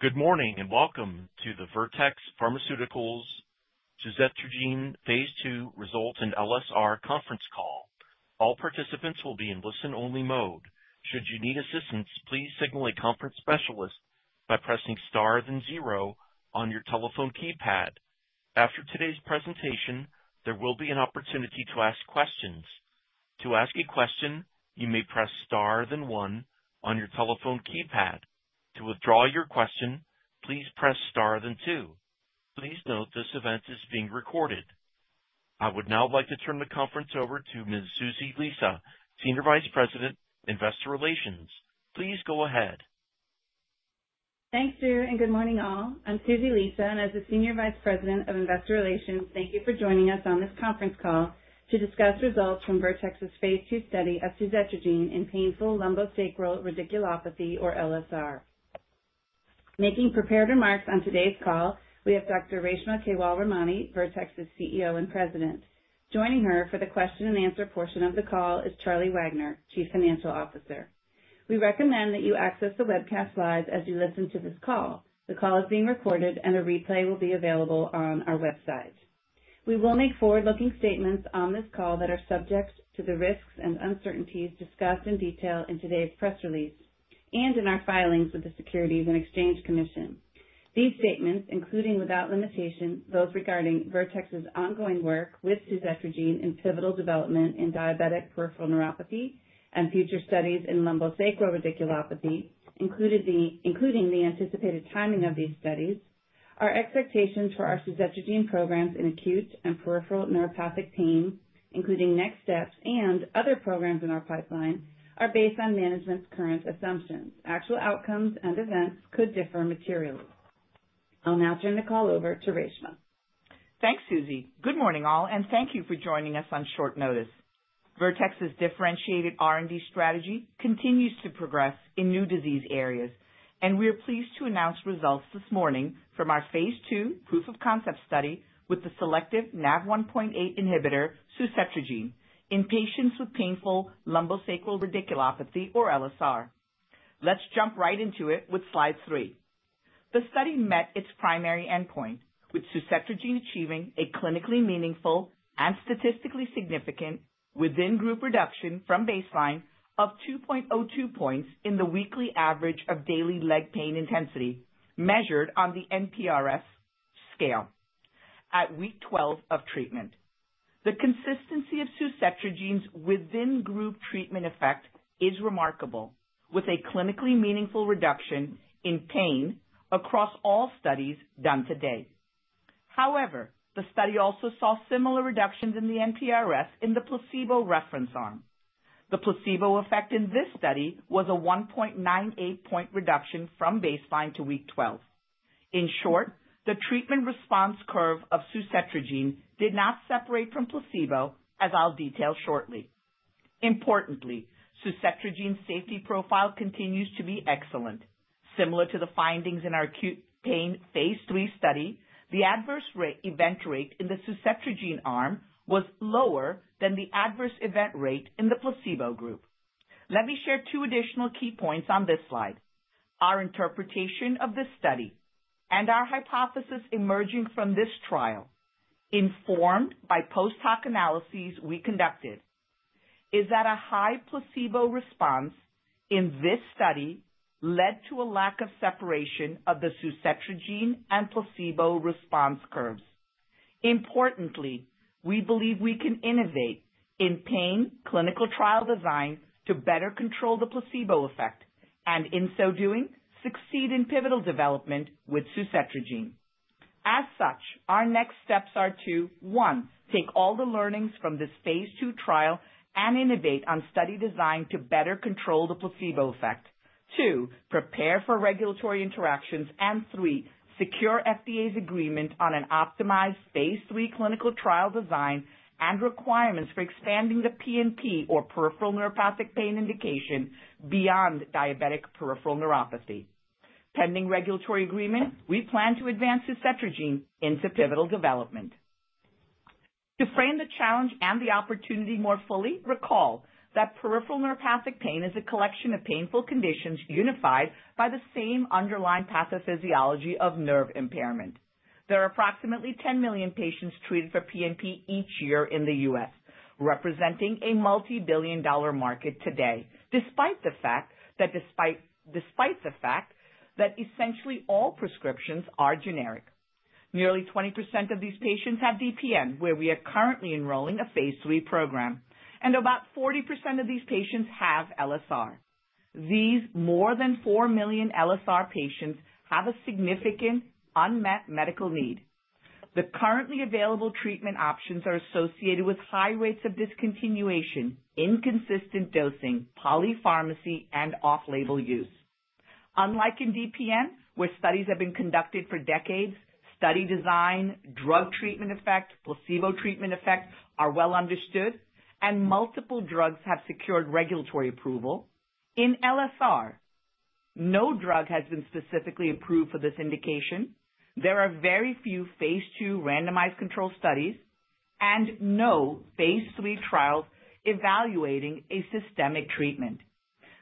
Good morning and welcome to the Vertex Pharmaceutical suzetrigine phase II results and LSR conference call. All participants will be in listen-only mode. Should you need assistance, please signal a conference specialist by pressing star then zero on your telephone keypad. After today's presentation, there will be an opportunity to ask questions. To ask a question, you may press star then one on your telephone keypad. To withdraw your question, please press star then two. Please note this event is being recorded. I would now like to turn the conference over to Ms. Susie Lisa, Senior Vice President, Investor Relations. Please go ahead. Thanks, Drew, and good morning, all. I'm Susie Lisa, and as the Senior Vice President of Investor Relations, thank you for joining us on this conference call to discuss results from Vertex's phase II study of suzetrigine in painful lumbosacral radiculopathy, or LSR. Making prepared remarks on today's call, we have Dr. Reshma Kewalramani, Vertex's CEO and President. Joining her for the question and answer portion of the call is Charlie Wagner, Chief Financial Officer. We recommend that you access the webcast slides as you listen to this call. The call is being recorded, and a replay will be available on our website. We will make forward-looking statements on this call that are subject to the risks and uncertainties discussed in detail in today's press release and in our filings with the Securities and Exchange Commission. These statements, including without limitation, those regarding Vertex's ongoing work with suzetrigine in pivotal development in diabetic peripheral neuropathy and future studies in lumbosacral radiculopathy, including the anticipated timing of these studies, our expectations for our suzetrigine programs in acute and peripheral neuropathic pain, including next steps and other programs in our pipeline, are based on management's current assumptions. Actual outcomes and events could differ materially. I'll now turn the call over to Reshma. Thanks, Susie. Good morning, all, and thank you for joining us on short notice. Vertex's differentiated R&D strategy continues to progress in new disease areas, and we are pleased to announce results this morning from our phase II proof of concept study with the selective NaV1.8 inhibitor suzetrigine in patients with painful lumbosacral radiculopathy, or LSR. Let's jump right into it with slide three. The study met its primary endpoint, with suzetrigine achieving a clinically meaningful and statistically significant within-group reduction from baseline of 2.02 points in the weekly average of daily leg pain intensity measured on the NPRS scale at week 12 of treatment. The consistency of suzetrigine's within-group treatment effect is remarkable, with a clinically meaningful reduction in pain across all studies done today. However, the study also saw similar reductions in the NPRS in the placebo reference arm. The placebo effect in this study was a 1.98 point reduction from baseline to week 12. In short, the treatment response curve of suzetrigine did not separate from placebo, as I'll detail shortly. Importantly, suzetrigine's safety profile continues to be excellent. Similar to the findings in our acute pain phase III study, the adverse event rate in the suzetrigine arm was lower than the adverse event rate in the placebo group. Let me share two additional key points on this slide: our interpretation of this study and our hypothesis emerging from this trial, informed by post-hoc analyses we conducted. Is that a high placebo response in this study led to a lack of separation of the suzetrigine and placebo response curves? Importantly, we believe we can innovate in pain clinical trial design to better control the placebo effect and, in so doing, succeed in pivotal development with suzetrigine. As such, our next steps are to, one, take all the learnings from this phase II trial and innovate on study design to better control the placebo effect. Two, prepare for regulatory interactions, and three, secure FDA's agreement on an optimized phase III clinical trial design and requirements for expanding the PNP, or peripheral neuropathic pain indication, beyond diabetic peripheral neuropathy. Pending regulatory agreement, we plan to advance suzetrigine into pivotal development. To frame the challenge and the opportunity more fully, recall that peripheral neuropathic pain is a collection of painful conditions unified by the same underlying pathophysiology of nerve impairment. There are approximately 10 million patients treated for PNP each year in the U.S., representing a multi-billion-dollar market today, despite the fact that essentially all prescriptions are generic. Nearly 20% of these patients have DPN, where we are currently enrolling a phase III program, and about 40% of these patients have LSR. These more than four million LSR patients have a significant unmet medical need. The currently available treatment options are associated with high rates of discontinuation, inconsistent dosing, polypharmacy, and off-label use. Unlike in DPN, where studies have been conducted for decades, study design, drug treatment effect, placebo treatment effect are well understood, and multiple drugs have secured regulatory approval, in LSR, no drug has been specifically approved for this indication. There are very few phase II randomized control studies and no phase III trials evaluating a systemic treatment.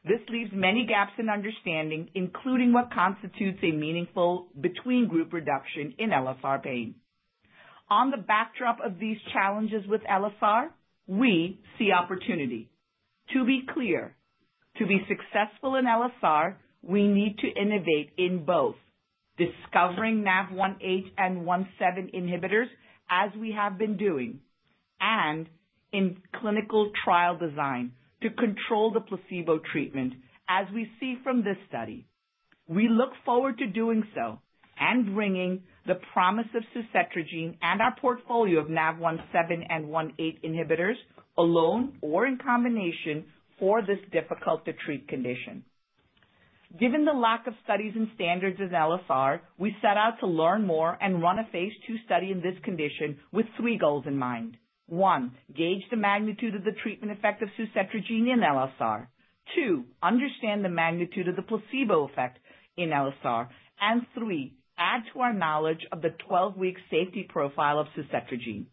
This leaves many gaps in understanding, including what constitutes a meaningful between-group reduction in LSR pain. On the backdrop of these challenges with LSR, we see opportunity. To be clear, to be successful in LSR, we need to innovate in both discovering NaV1.8 and 1.7 inhibitors, as we have been doing, and in clinical trial design to control the placebo treatment, as we see from this study. We look forward to doing so and bringing the promise of suzetrigine and our portfolio of NaV1.7 and 1.8 inhibitors alone or in combination for this difficult-to-treat condition. Given the lack of studies and standards in LSR, we set out to learn more and run a phase II study in this condition with three goals in mind. One, gauge the magnitude of the treatment effect of suzetrigine in LSR. Two, understand the magnitude of the placebo effect in LSR. And three, add to our knowledge of the 12-week safety profile of suzetrigine.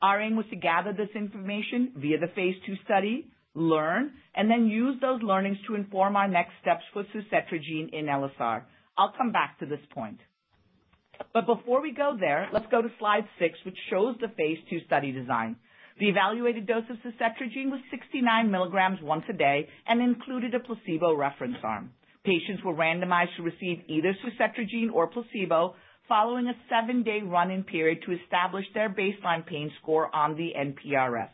Our aim was to gather this information via the phase II study, learn, and then use those learnings to inform our next steps for suzetrigine in LSR. I'll come back to this point. But before we go there, let's go to slide six, which shows the phase II study design. The evaluated dose of suzetrigine was 69 mg once a day and included a placebo reference arm. Patients were randomized to receive either suzetrigine or placebo following a seven-day run-in period to establish their baseline pain score on the NPRS.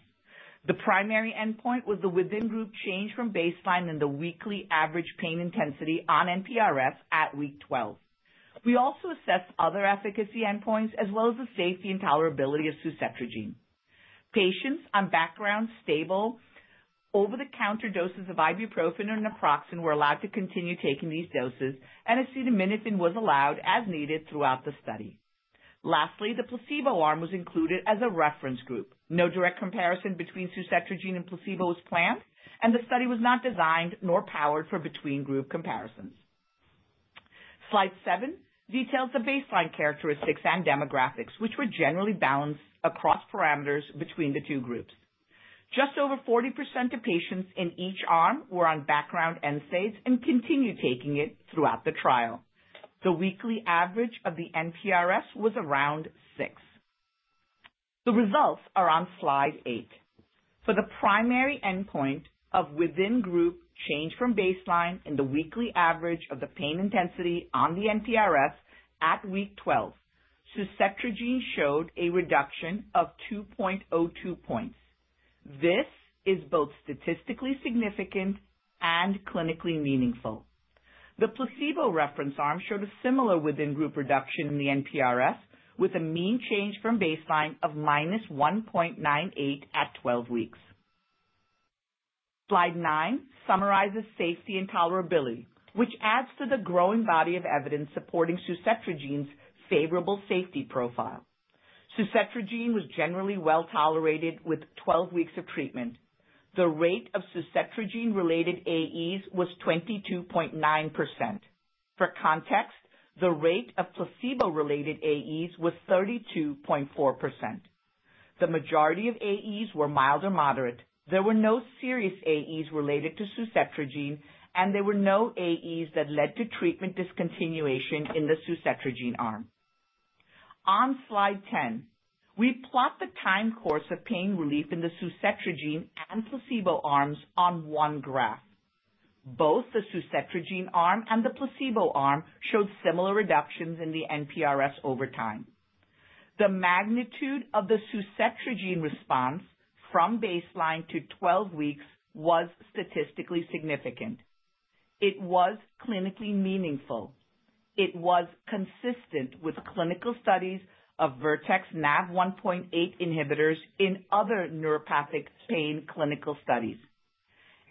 The primary endpoint was the within-group change from baseline in the weekly average pain intensity on NPRS at week 12. We also assessed other efficacy endpoints as well as the safety and tolerability of suzetrigine. Patients on background stable over-the-counter doses of ibuprofen or naproxen were allowed to continue taking these doses, and acetaminophen was allowed as needed throughout the study. Lastly, the placebo arm was included as a reference group. No direct comparison between suzetrigine and placebo was planned, and the study was not designed nor powered for between-group comparisons. Slide seven details the baseline characteristics and demographics, which were generally balanced across parameters between the two groups. Just over 40% of patients in each arm were on background NSAIDs and continued taking it throughout the trial. The weekly average of the NPRS was around six. The results are on slide eight. For the primary endpoint of within-group change from baseline in the weekly average of the pain intensity on the NPRS at week 12, suzetrigine showed a reduction of 2.02 points. This is both statistically significant and clinically meaningful. The placebo reference arm showed a similar within-group reduction in the NPRS with a mean change from baseline of -1.98 at 12 weeks. Slide nine summarizes safety and tolerability, which adds to the growing body of evidence supporting suzetrigine's favorable safety profile. Suzetrigine was generally well tolerated with 12 weeks of treatment. The rate of suzetrigine-related AEs was 22.9%. For context, the rate of placebo-related AEs was 32.4%. The majority of AEs were mild or moderate. There were no serious AEs related to suzetrigine, and there were no AEs that led to treatment discontinuation in the suzetrigine arm. On slide 10, we plot the time course of pain relief in the suzetrigine and placebo arms on one graph. Both the suzetrigine arm and the placebo arm showed similar reductions in the NPRS over time. The magnitude of the suzetrigine response from baseline to 12 weeks was statistically significant. It was clinically meaningful. It was consistent with clinical studies of Vertex NaV1.8 inhibitors in other neuropathic pain clinical studies.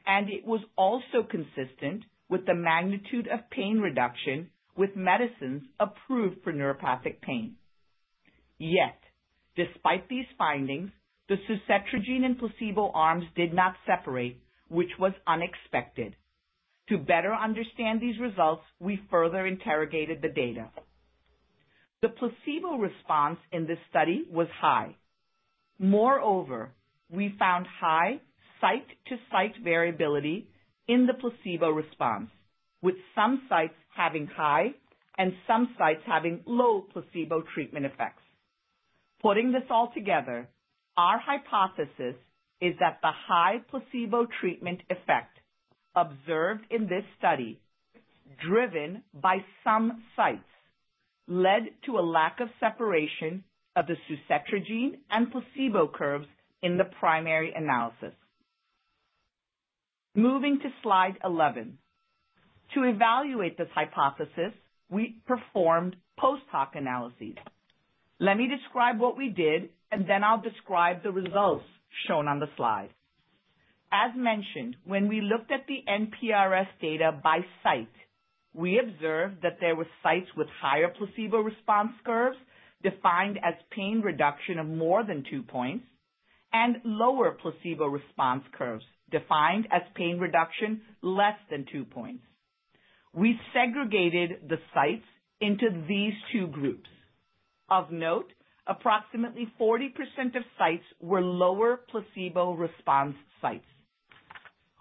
And it was also consistent with the magnitude of pain reduction with medicines approved for neuropathic pain. Yet, despite these findings, the suzetrigine and placebo arms did not separate, which was unexpected. To better understand these results, we further interrogated the data. The placebo response in this study was high. Moreover, we found high site-to-site variability in the placebo response, with some sites having high and some sites having low placebo treatment effects. Putting this all together, our hypothesis is that the high placebo treatment effect observed in this study, driven by some sites, led to a lack of separation of the suzetrigine and placebo curves in the primary analysis. Moving to slide 11. To evaluate this hypothesis, we performed post-hoc analyses. Let me describe what we did, and then I'll describe the results shown on the slide. As mentioned, when we looked at the NPRS data by site, we observed that there were sites with higher placebo response curves defined as pain reduction of more than 2 points and lower placebo response curves defined as pain reduction less than 2 points. We segregated the sites into these two groups. Of note, approximately 40% of sites were lower placebo response sites.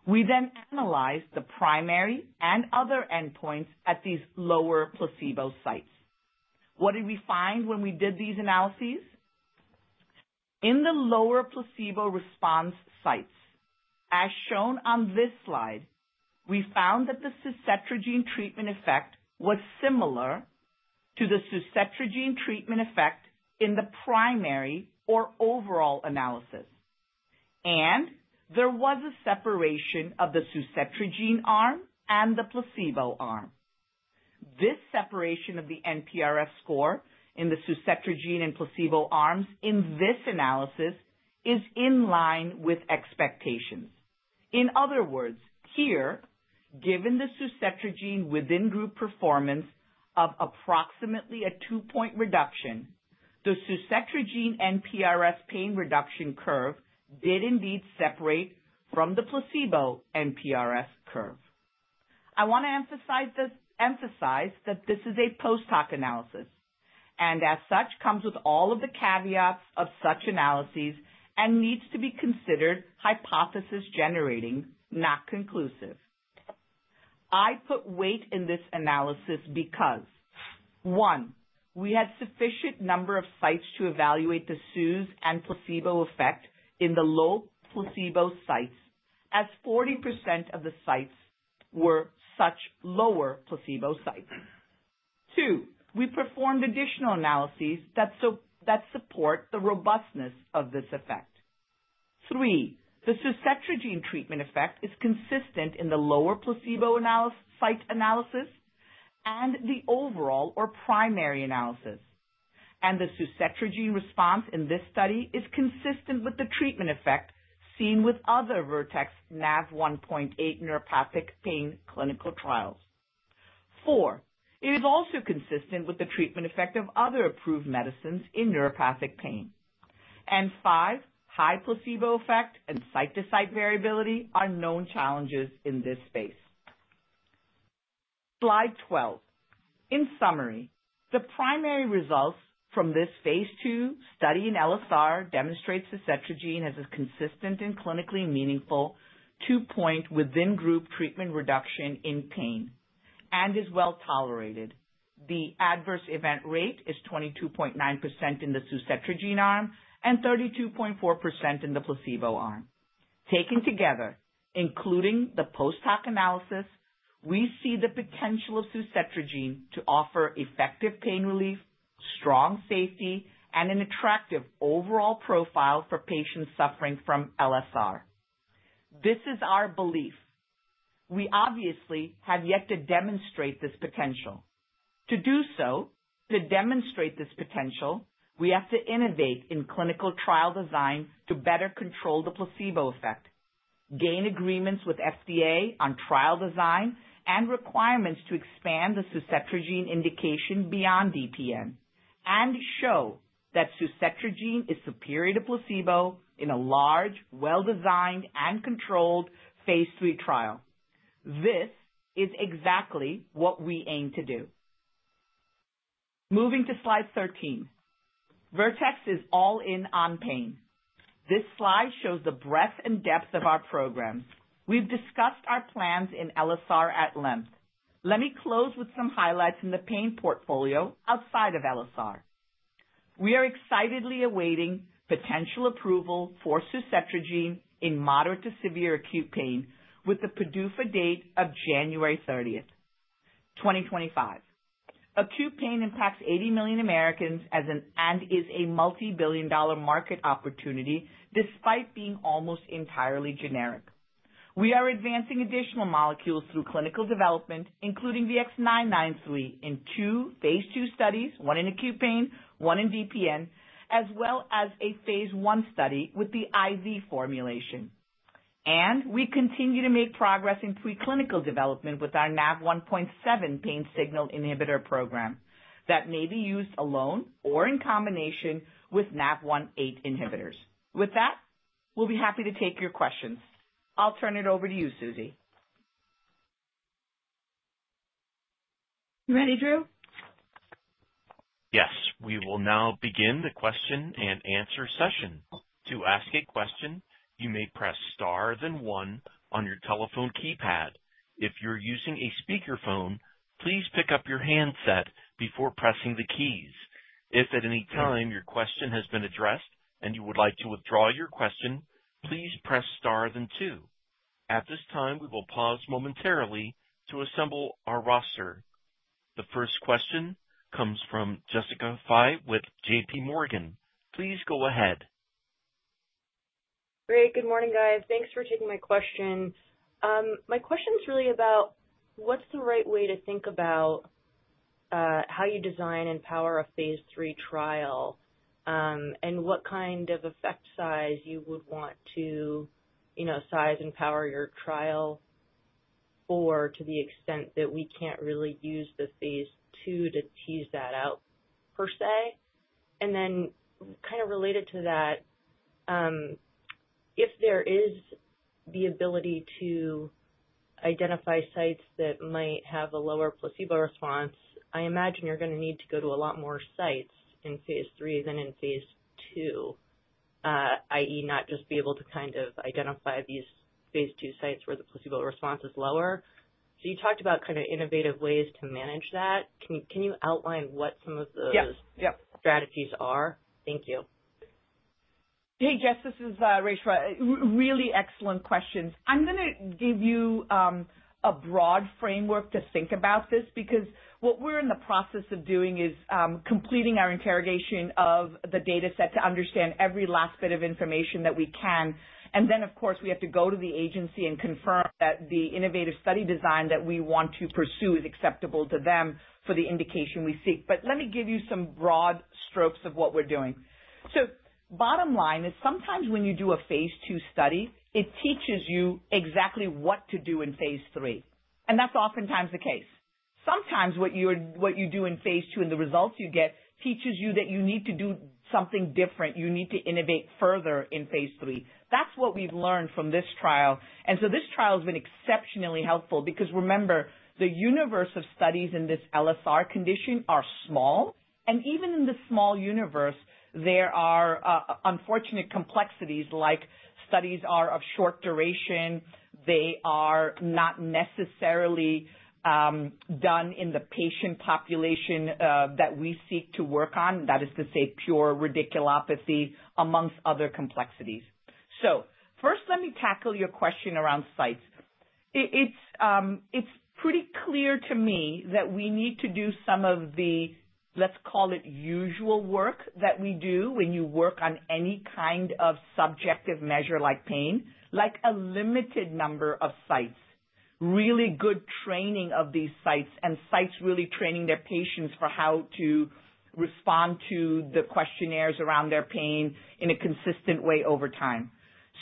We then analyzed the primary and other endpoints at these lower placebo sites. What did we find when we did these analyses? In the lower placebo response sites, as shown on this slide, we found that the suzetrigine treatment effect was similar to the suzetrigine treatment effect in the primary or overall analysis, and there was a separation of the suzetrigine arm and the placebo arm. This separation of the NPRS score in the suzetrigine and placebo arms in this analysis is in line with expectations. In other words, here, given the suzetrigine within-group performance of approximately a two-point reduction, the suzetrigine NPRS pain reduction curve did indeed separate from the placebo NPRS curve. I want to emphasize that this is a post-hoc analysis, and as such, comes with all of the caveats of such analyses and needs to be considered hypothesis-generating, not conclusive. I put weight in this analysis because, one, we had sufficient number of sites to evaluate the suzetrigine and placebo effect in the low placebo sites, as 40% of the sites were such lower placebo sites. Two, we performed additional analyses that support the robustness of this effect. Three, the suzetrigine treatment effect is consistent in the lower placebo site analysis and the overall or primary analysis. And the suzetrigine response in this study is consistent with the treatment effect seen with other Vertex NaV1.8 neuropathic pain clinical trials. Four, it is also consistent with the treatment effect of other approved medicines in neuropathic pain. And five, high placebo effect and site-to-site variability are known challenges in this space. Slide 12. In summary, the primary results from this phase II study in LSR demonstrate suzetrigine has a consistent and clinically meaningful 2 point within-group treatment reduction in pain and is well tolerated. The adverse event rate is 22.9% in the suzetrigine arm and 32.4% in the placebo arm. Taken together, including the post-hoc analysis, we see the potential of suzetrigine to offer effective pain relief, strong safety, and an attractive overall profile for patients suffering from LSR. This is our belief. We obviously have yet to demonstrate this potential. To do so, to demonstrate this potential, we have to innovate in clinical trial design to better control the placebo effect, gain agreements with FDA on trial design, and requirements to expand the suzetrigine indication beyond DPN, and show that suzetrigine is superior to placebo in a large, well-designed, and controlled phase III trial. This is exactly what we aim to do. Moving to slide 13. Vertex is all in on pain. This slide shows the breadth and depth of our programs. We've discussed our plans in LSR at length. Let me close with some highlights in the pain portfolio outside of LSR. We are excitedly awaiting potential approval for suzetrigine in moderate to severe acute pain with the PDUFA date of January 30th, 2025. Acute pain impacts 80 million Americans and is a multi-billion dollar market opportunity despite being almost entirely generic. We are advancing additional molecules through clinical development, including the VX-993 in two phase II studies, one in acute pain, one in DPN, as well as a phase I study with the IV formulation, and we continue to make progress in preclinical development with our NaV1.7 pain signal inhibitor program that may be used alone or in combination with NaV1.8 inhibitors. With that, we'll be happy to take your questions. I'll turn it over to you, Susie. You ready, Drew? Yes. We will now begin the question and answer session. To ask a question, you may press star then one on your telephone keypad. If you're using a speakerphone, please pick up your handset before pressing the keys. If at any time your question has been addressed and you would like to withdraw your question, please press star then two. At this time, we will pause momentarily to assemble our roster. The first question comes from Jessica Fye with JPMorgan. Please go ahead. Great. Good morning, guys. Thanks for taking my question. My question's really about what's the right way to think about how you design and power a phase III trial and what kind of effect size you would want to size and power your trial for to the extent that we can't really use the phase II to tease that out per se, and then kind of related to that, if there is the ability to identify sites that might have a lower placebo response, I imagine you're going to need to go to a lot more sites in phase III than in phase II, i.e., not just be able to kind of identify these phase II sites where the placebo response is lower. So you talked about kind of innovative ways to manage that. Can you outline what some of those strategies are? Thank you. Hey, Jess, this is Reshma. Really excellent questions. I'm going to give you a broad framework to think about this because what we're in the process of doing is completing our interrogation of the dataset to understand every last bit of information that we can. And then, of course, we have to go to the agency and confirm that the innovative study design that we want to pursue is acceptable to them for the indication we seek. But let me give you some broad strokes of what we're doing. So bottom line is sometimes when you do a phase II study, it teaches you exactly what to do in phase III. And that's oftentimes the case. Sometimes what you do in phase II and the results you get teaches you that you need to do something different. You need to innovate further in phase III. That's what we've learned from this trial. And so this trial has been exceptionally helpful because, remember, the universe of studies in this LSR condition are small. And even in the small universe, there are unfortunate complexities like studies are of short duration. They are not necessarily done in the patient population that we seek to work on. That is to say, pure radiculopathy amongst other complexities. So first, let me tackle your question around sites. It's pretty clear to me that we need to do some of the, let's call it, usual work that we do when you work on any kind of subjective measure like pain, like a limited number of sites, really good training of these sites, and sites really training their patients for how to respond to the questionnaires around their pain in a consistent way over time,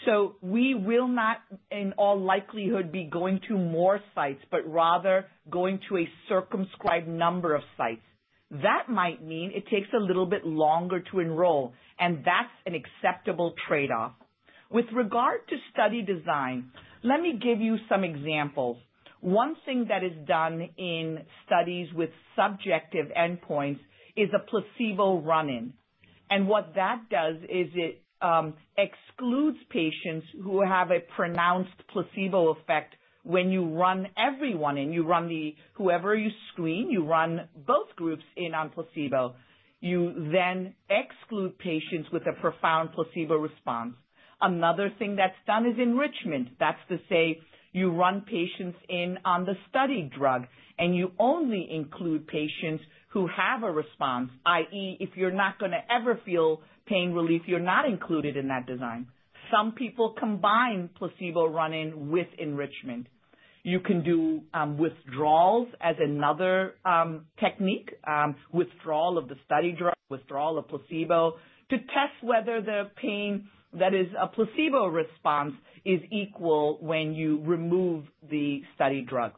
so we will not, in all likelihood, be going to more sites, but rather going to a circumscribed number of sites. That might mean it takes a little bit longer to enroll, and that's an acceptable trade-off. With regard to study design, let me give you some examples. One thing that is done in studies with subjective endpoints is a placebo run-in, and what that does is it excludes patients who have a pronounced placebo effect when you run everyone in. You run whoever you screen. You run both groups in on placebo. You then exclude patients with a profound placebo response. Another thing that's done is enrichment. That's to say, you run patients in on the study drug, and you only include patients who have a response, i.e., if you're not going to ever feel pain relief, you're not included in that design. Some people combine placebo run-in with enrichment. You can do withdrawals as another technique, withdrawal of the study drug, withdrawal of placebo to test whether the pain that is a placebo response is equal when you remove the study drug.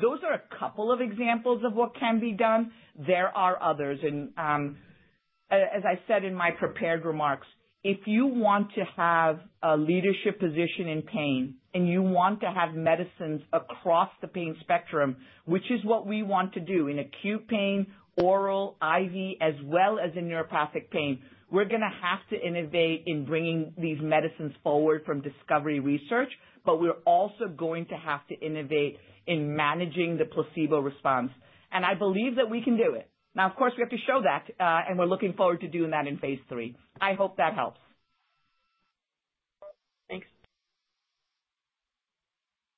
Those are a couple of examples of what can be done. There are others. And as I said in my prepared remarks, if you want to have a leadership position in pain and you want to have medicines across the pain spectrum, which is what we want to do in acute pain, oral, IV, as well as in neuropathic pain, we're going to have to innovate in bringing these medicines forward from discovery research, but we're also going to have to innovate in managing the placebo response. And I believe that we can do it. Now, of course, we have to show that, and we're looking forward to doing that in phase III. I hope that helps. Thanks.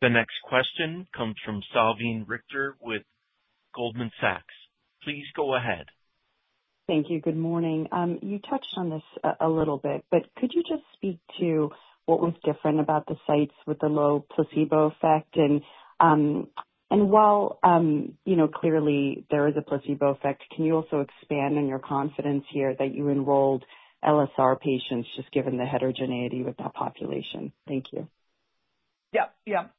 The next question comes from Salveen Richter with Goldman Sachs. Please go ahead. Thank you. Good morning. You touched on this a little bit, but could you just speak to what was different about the sites with the low placebo effect? While clearly there is a placebo effect, can you also expand on your confidence here that you enrolled LSR patients just given the heterogeneity with that population? Thank you. Yep. Yep.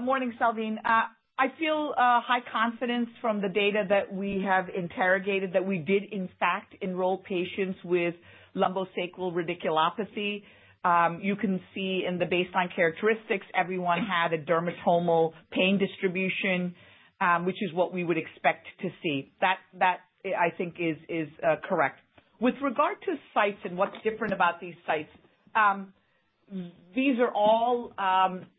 Morning, Salveen. I feel high confidence from the data that we have interrogated that we did, in fact, enroll patients with lumbosacral radiculopathy. You can see in the baseline characteristics, everyone had a dermatomal pain distribution, which is what we would expect to see. That, I think, is correct. With regard to sites and what's different about these sites, these are all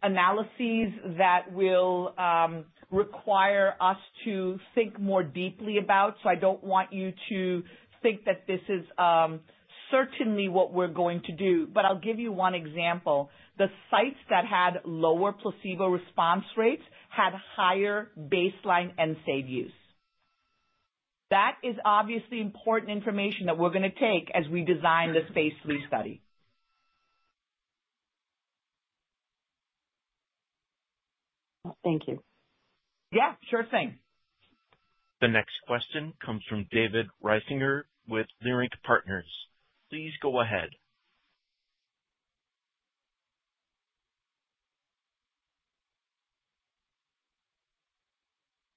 analyses that will require us to think more deeply about. So I don't want you to think that this is certainly what we're going to do. But I'll give you one example. The sites that had lower placebo response rates had higher baseline NSAID use. That is obviously important information that we're going to take as we design this phase III study. Thank you. Yeah. Sure thing. The next question comes from David Risinger with Leerink Partners. Please go ahead.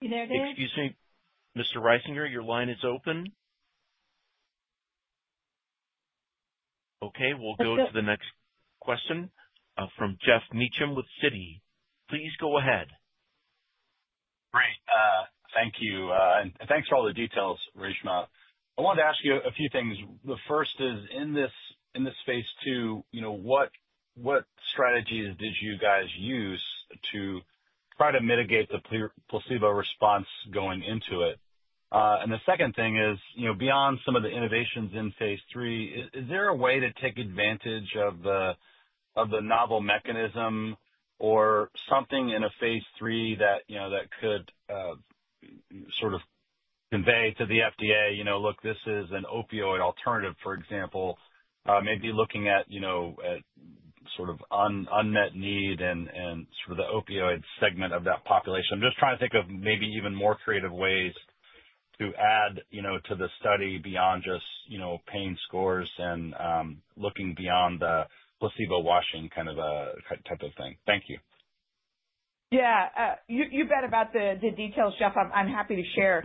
Are you there? Excuse me. Mr. Risinger, your line is open. Okay. We'll go to the next question from [Jeff Meacham] with Citi. Please go ahead. Great. Thank you. And thanks for all the details, Reshma. I wanted to ask you a few things. The first is, in this phase II, what strategies did you guys use to try to mitigate the placebo response going into it? The second thing is, beyond some of the innovations in phase III, is there a way to take advantage of the novel mechanism or something in a phase III that could sort of convey to the FDA, "Look, this is an opioid alternative," for example, maybe looking at sort of unmet need and sort of the opioid segment of that population? I'm just trying to think of maybe even more creative ways to add to the study beyond just pain scores and looking beyond the placebo washing kind of type of thing. Thank you. Yeah. You bet about the details, Jeff. I'm happy to share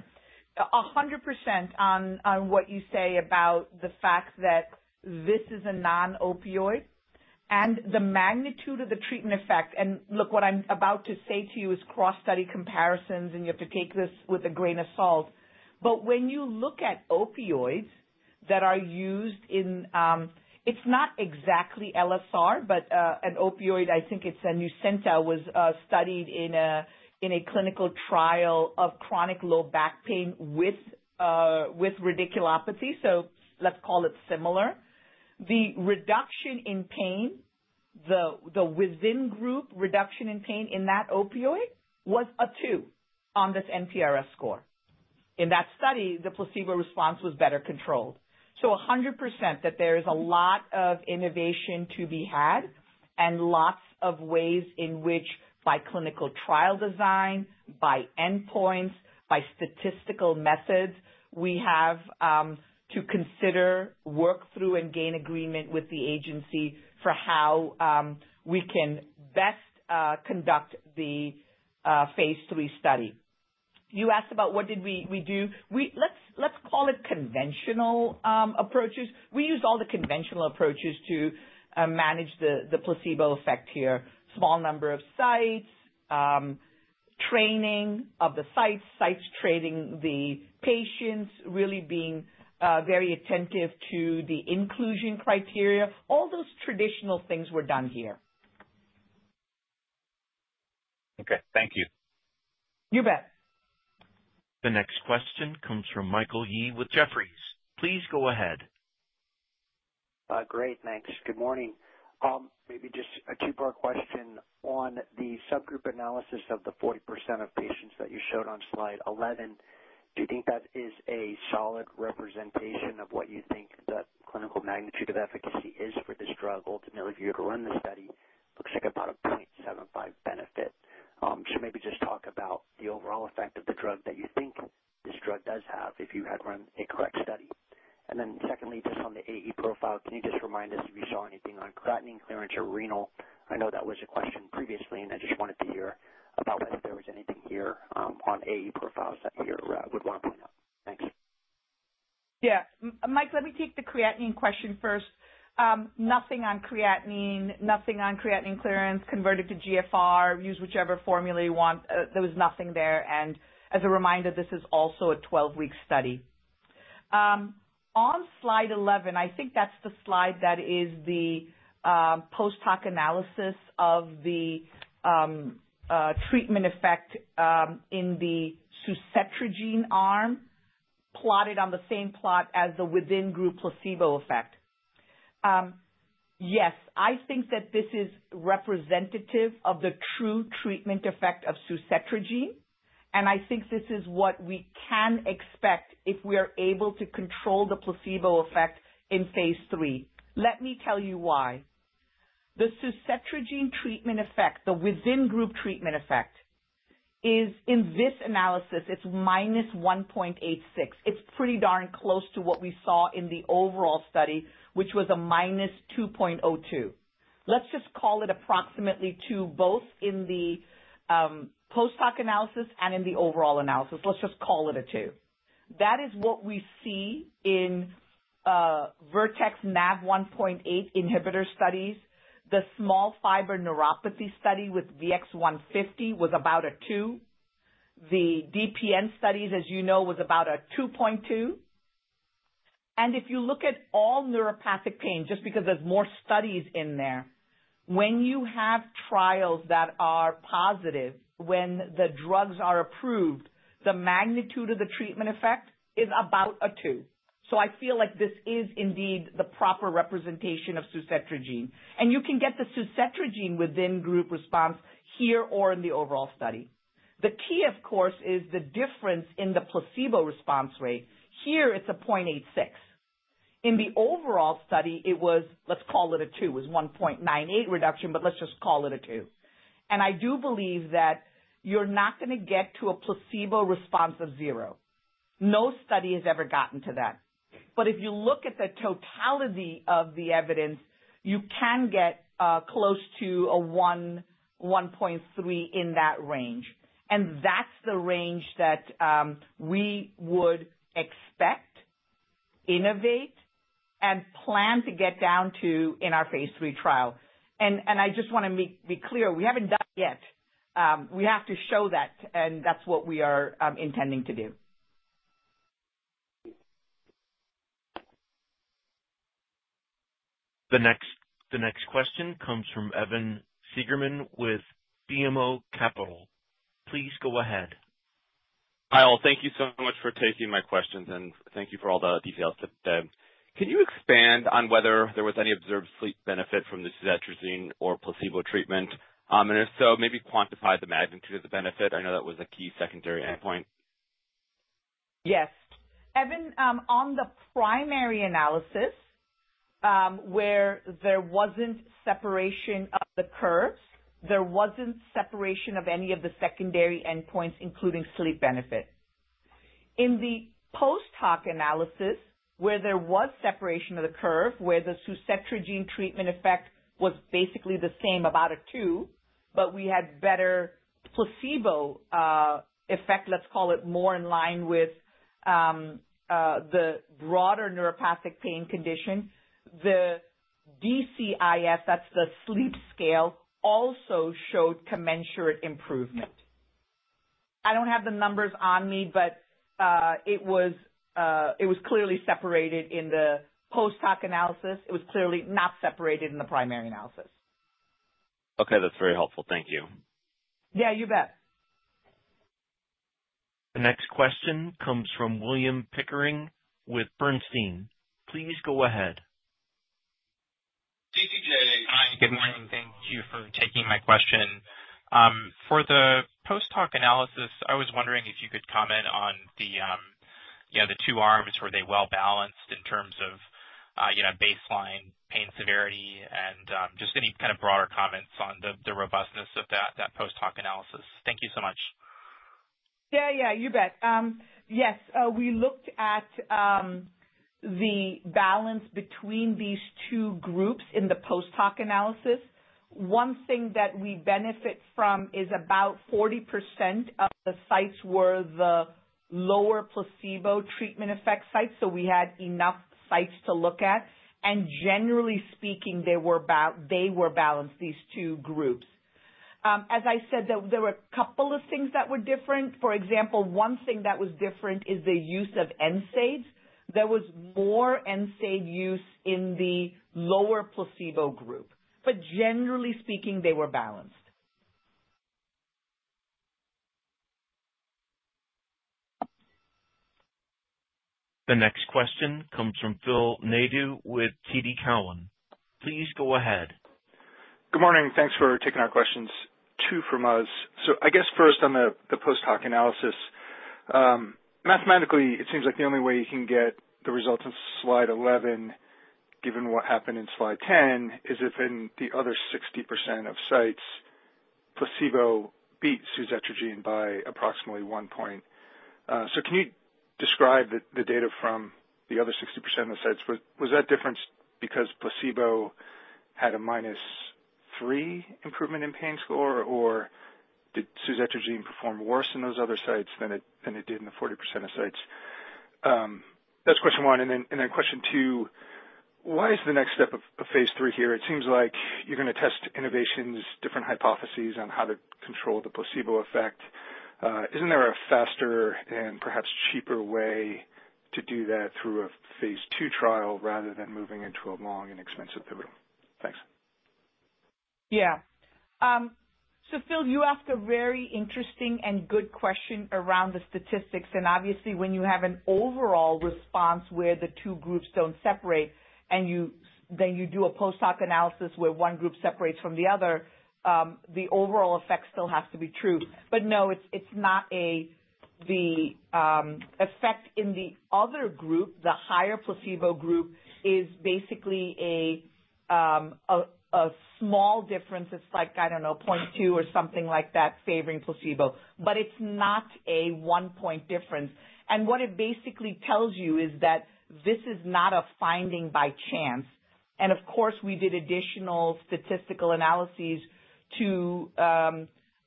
100% on what you say about the fact that this is a non-opioid and the magnitude of the treatment effect. And look, what I'm about to say to you is cross-study comparisons, and you have to take this with a grain of salt. But when you look at opioids that are used in, it's not exactly LSR, but an opioid, I think it's a Nucynta, was studied in a clinical trial of chronic low back pain with radiculopathy. So let's call it similar. The reduction in pain, the within group reduction in pain in that opioid was a two on this NPRS score. In that study, the placebo response was better controlled. So 100% that there is a lot of innovation to be had and lots of ways in which, by clinical trial design, by endpoints, by statistical methods, we have to consider, work through, and gain agreement with the agency for how we can best conduct the phase III study. You asked about what did we do. Let's call it conventional approaches. We used all the conventional approaches to manage the placebo effect here: small number of sites, training of the sites, sites training the patients, really being very attentive to the inclusion criteria. All those traditional things were done here. Okay. Thank you. You bet. The next question comes from Michael Yee with Jefferies. Please go ahead. Great. Thanks. Good morning. Maybe just a two-part question on the subgroup analysis of the 40% of patients that you showed on slide 11. Do you think that is a solid representation of what you think the clinical magnitude of efficacy is for this drug? Ultimately, if you were to run the study, it looks like about a 0.75 benefit. So maybe just talk about the overall effect of the drug that you think this drug does have if you had run a correct study. And then secondly, just on the AE profile, can you just remind us if you saw anything on creatinine clearance or renal? I know that was a question previously, and I just wanted to hear about whether there was anything here on AE profiles that you would want to point out. Thanks. Yeah. Mike, let me take the creatinine question first. Nothing on creatinine, nothing on creatinine clearance, converted to GFR. Use whichever formula you want. There was nothing there. And as a reminder, this is also a 12-week study. On slide 11, I think that's the slide that is the post-hoc analysis of the treatment effect in the suzetrigine arm plotted on the same plot as the within group placebo effect. Yes, I think that this is representative of the true treatment effect of suzetrigine. I think this is what we can expect if we are able to control the placebo effect in phase III. Let me tell you why. The suzetrigine treatment effect, the within group treatment effect, is in this analysis, it's -1.86. It's pretty darn close to what we saw in the overall study, which was a -2.02. Let's just call it approximately two both in the post-hoc analysis and in the overall analysis. Let's just call it a 2. That is what we see in Vertex NaV1.8 inhibitor studies. The small fiber neuropathy study with VX-150 was about a 2. The DPN studies, as you know, was about a 2.2. If you look at all neuropathic pain, just because there's more studies in there, when you have trials that are positive, when the drugs are approved, the magnitude of the treatment effect is about a two. So I feel like this is indeed the proper representation of suzetrigine. And you can get the suzetrigine within group response here or in the overall study. The key, of course, is the difference in the placebo response rate. Here, it's a 0.86. In the overall study, it was, let's call it a 2. It was 1.98 reduction, but let's just call it a 2. And I do believe that you're not going to get to a placebo response of zero. No study has ever gotten to that. But if you look at the totality of the evidence, you can get close to a 1.3 in that range. And that's the range that we would expect, innovate, and plan to get down to in our phase III trial. And I just want to be clear. We haven't done it yet. We have to show that, and that's what we are intending to do. The next question comes from Evan Seigerman with BMO Capital. Please go ahead. Hi. Well, thank you so much for taking my questions, and thank you for all the details today. Can you expand on whether there was any observed sleep benefit from the suzetrigine or placebo treatment? And if so, maybe quantify the magnitude of the benefit. I know that was a key secondary endpoint. Yes. Evan, on the primary analysis, where there wasn't separation of the curves, there wasn't separation of any of the secondary endpoints, including sleep benefit. In the post-hoc analysis, where there was separation of the curve, where the suzetrigine treatment effect was basically the same, about a 2, but we had better placebo effect, let's call it more in line with the broader neuropathic pain condition, the DCIS, that's the sleep scale, also showed commensurate improvement. I don't have the numbers on me, but it was clearly separated in the post-hoc analysis. It was clearly not separated in the primary analysis. Okay. That's very helpful. Thank you. Yeah. You bet. The next question comes from William Pickering with Bernstein. Please go ahead. Hi. Good morning. Thank you for taking my question. For the post-hoc analysis, I was wondering if you could comment on the two arms. Were they well balanced in terms of baseline pain severity and just any kind of broader comments on the robustness of that post-hoc analysis? Thank you so much. Yeah. Yeah. You bet. Yes. We looked at the balance between these two groups in the post-hoc analysis. One thing that we benefit from is about 40% of the sites were the lower placebo treatment effect sites. So we had enough sites to look at. Generally speaking, they were balanced, these two groups. As I said, there were a couple of things that were different. For example, one thing that was different is the use of NSAIDs. There was more NSAID use in the lower placebo group. But generally speaking, they were balanced. The next question comes from Phil Nadeau with TD Cowen. Please go ahead. Good morning. Thanks for taking our questions. Two from us. So I guess first on the post-hoc analysis, mathematically, it seems like the only way you can get the results in slide 11, given what happened in slide 10, is if in the other 60% of sites, placebo beat suzetrigine by approximately one point. So can you describe the data from the other 60% of the sites? Was that difference because placebo had a -3 improvement in pain score, or did suzetrigine perform worse in those other sites than it did in the 40% of sites? That's question one. And then question two, why is the next step of phase III here? It seems like you're going to test innovations, different hypotheses on how to control the placebo effect. Isn't there a faster and perhaps cheaper way to do that through a phase II trial rather than moving into a long and expensive pivotal? Thanks. Yeah. So Phil, you asked a very interesting and good question around the statistics. And obviously, when you have an overall response where the two groups don't separate, and then you do a post-hoc analysis where one group separates from the other, the overall effect still has to be true. But no, it's not that the effect in the other group, the higher placebo group, is basically a small difference. It's like, I don't know, 0.2 or something like that favoring placebo. But it's not a one-point difference. And what it basically tells you is that this is not a finding by chance. And of course, we did additional statistical analyses to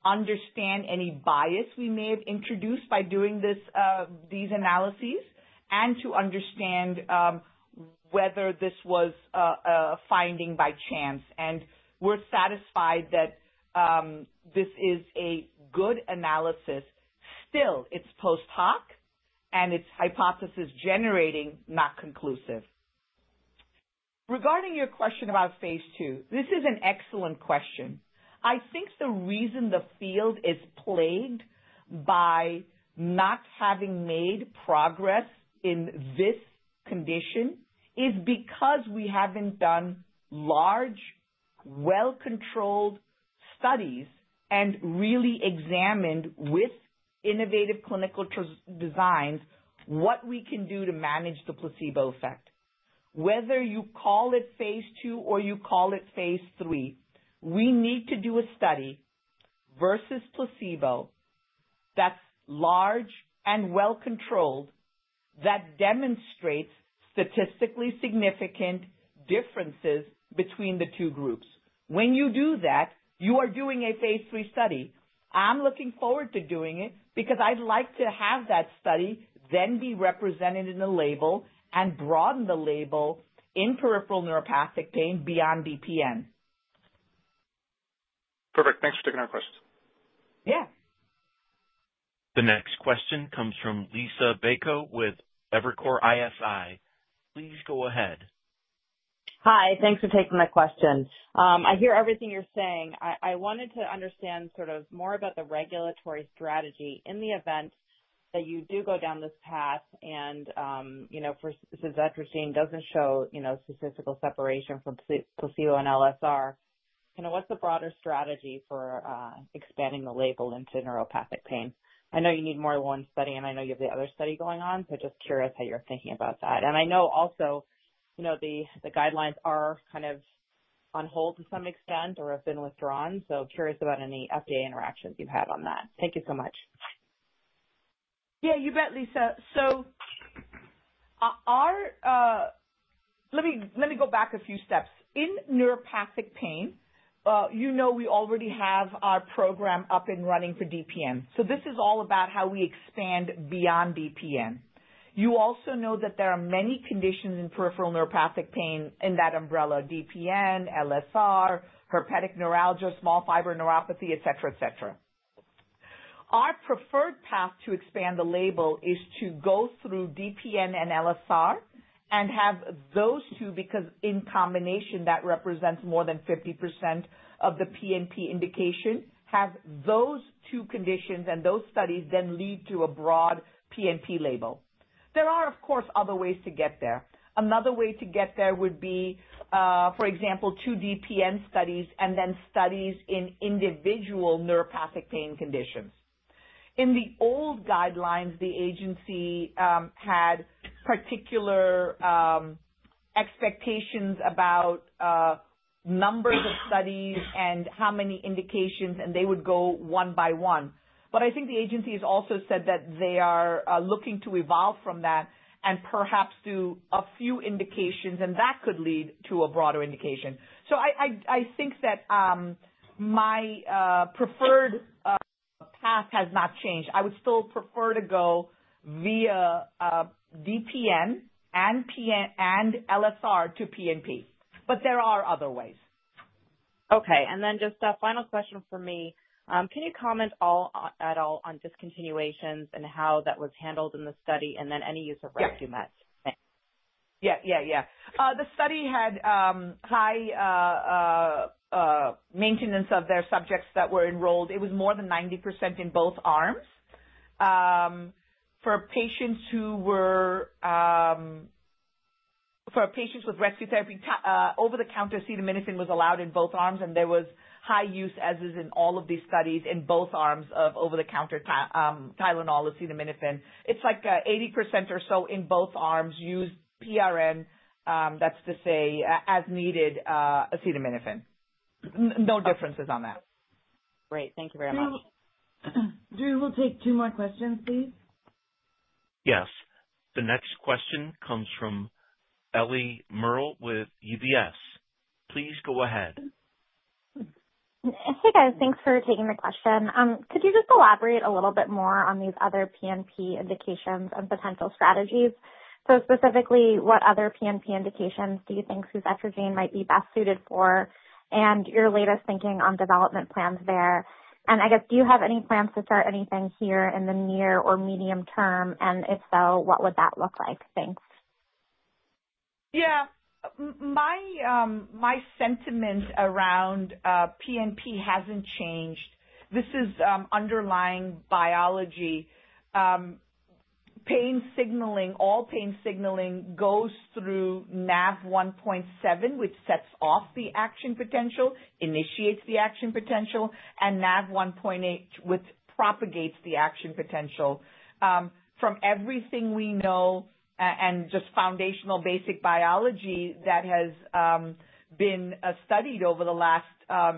understand any bias we may have introduced by doing these analyses and to understand whether this was a finding by chance. And we're satisfied that this is a good analysis. Still, it's post-hoc, and it's hypothesis-generating, not conclusive. Regarding your question about phase II, this is an excellent question. I think the reason the field is plagued by not having made progress in this condition is because we haven't done large, well-controlled studies and really examined with innovative clinical designs what we can do to manage the placebo effect. Whether you call it phase II or you call it phase III, we need to do a study versus placebo that's large and well-controlled that demonstrates statistically significant differences between the two groups. When you do that, you are doing a phase III study. I'm looking forward to doing it because I'd like to have that study then be represented in a label and broaden the label in peripheral neuropathic pain beyond DPN. Perfect. Thanks for taking our questions. Yeah. The next question comes from Liisa Bayko with Evercore ISI. Please go ahead. Hi. Thanks for taking my question. I hear everything you're saying. I wanted to understand sort of more about the regulatory strategy in the event that you do go down this path and if suzetrigine doesn't show statistical separation from placebo and LSR. What's the broader strategy for expanding the label into neuropathic pain? I know you need more than one study, and I know you have the other study going on, so just curious how you're thinking about that. And I know also the guidelines are kind of on hold to some extent or have been withdrawn. So curious about any FDA interactions you've had on that. Thank you so much. Yeah. You bet, Liisa. So let me go back a few steps. In neuropathic pain, you know we already have our program up and running for DPN. So this is all about how we expand beyond DPN. You also know that there are many conditions in peripheral neuropathic pain in that umbrella: DPN, LSR, herpetic neuralgia, small fiber neuropathy, etc., etc. Our preferred path to expand the label is to go through DPN and LSR and have those two because in combination, that represents more than 50% of the PNP indication. Have those two conditions and those studies then lead to a broad PNP label. There are, of course, other ways to get there. Another way to get there would be, for example, two DPN studies and then studies in individual neuropathic pain conditions. In the old guidelines, the agency had particular expectations about numbers of studies and how many indications, and they would go one by one. But I think the agency has also said that they are looking to evolve from that and perhaps do a few indications, and that could lead to a broader indication. So I think that my preferred path has not changed. I would still prefer to go via DPN and LSR to PNP. But there are other ways. Okay. And then just a final question for me. Can you comment at all on discontinuations and how that was handled in the study and then any use of rescue meds? Yeah. Yeah. Yeah. The study had high maintenance of their subjects that were enrolled. It was more than 90% in both arms. For patients with rescue therapy, over-the-counter acetaminophen was allowed in both arms, and there was high use, as is in all of these studies, in both arms of over-the-counter Tylenol acetaminophen. It's like 80% or so in both arms used PRN, that's to say as-needed acetaminophen. No differences on that. Great. Thank you very much. Drew, we'll take two more questions, please. Yes. The next question comes from Ellie Merle with UBS. Please go ahead. Hey, guys. Thanks for taking the question. Could you just elaborate a little bit more on these other PNP indications and potential strategies? So specifically, what other PNP indications do you think suzetrigine might be best suited for and your latest thinking on development plans there? And I guess, do you have any plans to start anything here in the near or medium term? And if so, what would that look like? Thanks. Yeah. My sentiment around PNP hasn't changed. This is underlying biology. All pain signaling goes through NaV1.7, which sets off the action potential, initiates the action potential, and NaV1.8 propagates the action potential. From everything we know and just foundational basic biology that has been studied over the last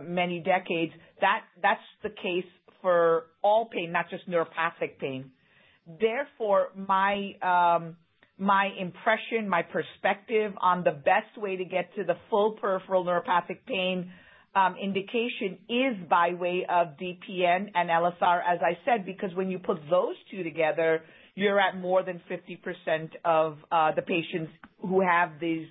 many decades, that's the case for all pain, not just neuropathic pain. Therefore, my impression, my perspective on the best way to get to the full peripheral neuropathic pain indication is by way of DPN and LSR, as I said, because when you put those two together, you're at more than 50% of the patients who have these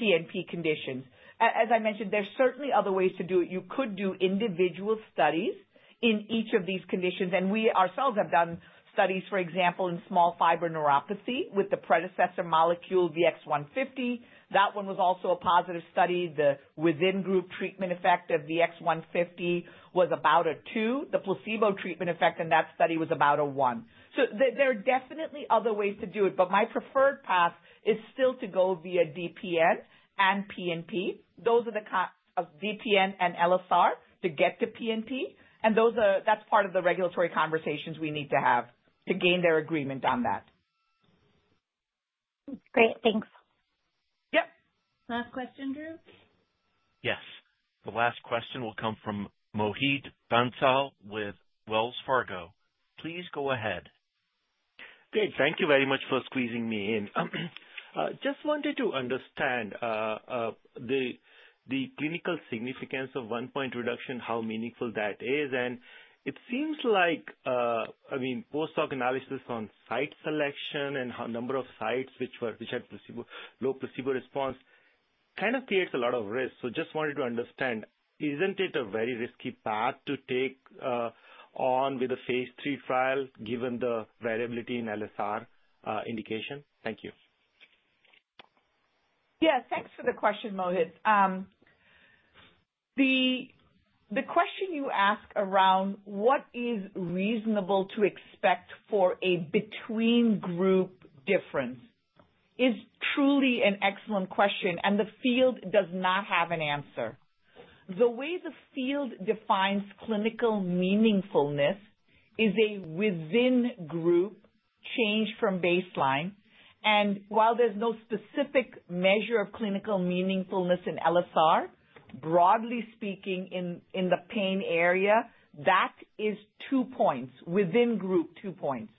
PNP conditions. As I mentioned, there's certainly other ways to do it. You could do individual studies in each of these conditions. And we ourselves have done studies, for example, in small fiber neuropathy with the predecessor molecule VX-150. That one was also a positive study. The within-group treatment effect of VX-150 was about a two. The placebo treatment effect in that study was about a one. So there are definitely other ways to do it. But my preferred path is still to go via DPN and PNP. Those are the DPN and LSR to get to PNP. And that's part of the regulatory conversations we need to have to gain their agreement on that. Great. Thanks. Yep. Last question, Drew? Yes. The last question will come from Mohit Bansal with Wells Fargo. Please go ahead. Great. Thank you very much for squeezing me in. Just wanted to understand the clinical significance of one-point reduction, how meaningful that is. And it seems like, I mean, post-hoc analysis on site selection and number of sites which had low placebo response kind of creates a lot of risk. So just wanted to understand, isn't it a very risky path to take on with a phase III trial given the variability in LSR indication? Thank you. Yeah. Thanks for the question, Mohit. The question you asked around what is reasonable to expect for a between-group difference is truly an excellent question, and the field does not have an answer. The way the field defines clinical meaningfulness is a within-group change from baseline. And while there's no specific measure of clinical meaningfulness in LSR, broadly speaking, in the pain area, that is 2 points. Within-group, 2 points.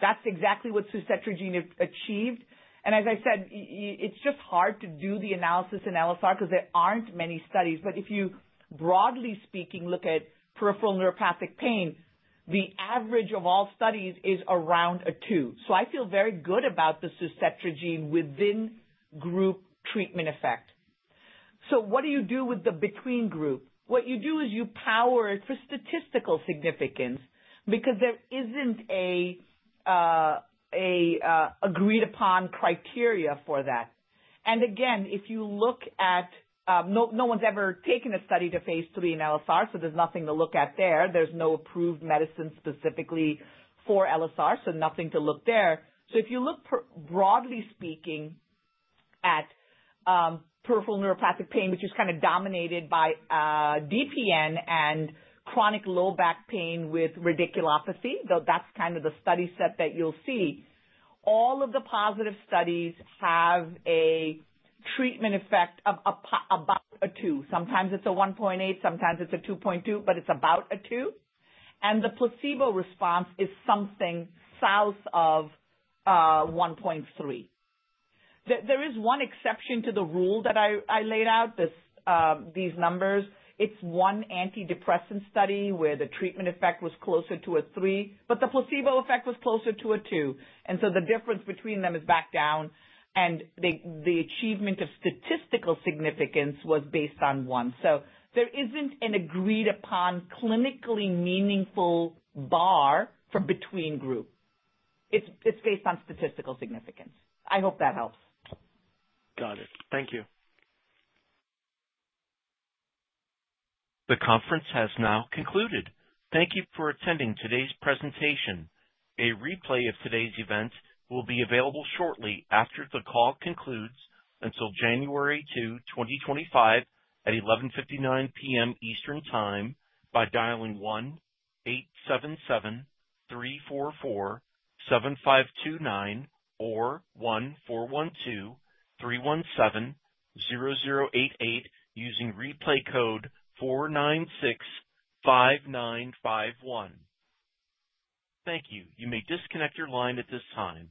That's exactly what suzetrigine achieved. And as I said, it's just hard to do the analysis in LSR because there aren't many studies. But if you, broadly speaking, look at peripheral neuropathic pain, the average of all studies is around a 2. So I feel very good about the suzetrigine within-group treatment effect. So what do you do with the between-group? What you do is you power for statistical significance because there isn't an agreed-upon criteria for that. Again, if you look at no one's ever taken a study to phase III in LSR, so there's nothing to look at there. There's no approved medicine specifically for LSR, so nothing to look there. So if you look, broadly speaking, at peripheral neuropathic pain, which is kind of dominated by DPN and chronic low back pain with radiculopathy, though that's kind of the study set that you'll see, all of the positive studies have a treatment effect of about a two. Sometimes it's a 1.8, sometimes it's a 2.2, but it's about a 2. And the placebo response is something south of 1.3. There is one exception to the rule that I laid out, these numbers. It's one antidepressant study where the treatment effect was closer to a 3, but the placebo effect was closer to a 2. And so the difference between them is back down, and the achievement of statistical significance was based on one. So there isn't an agreed-upon clinically meaningful bar for between-group. It's based on statistical significance. I hope that helps. Got it. Thank you. The conference has now concluded. Thank you for attending today's presentation. A replay of today's event will be available shortly after the call concludes until January 2, 2025, at 11:59 P.M. Eastern Time by dialing 1-877-344-7529 or 1-412-317-0088 using replay code 496-5951. Thank you. You may disconnect your line at this time.